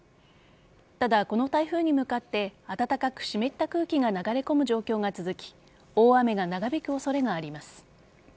ただ、この台風に向かって暖かく湿った空気が流れ込む状況が続き大雨が長引く恐れがあります。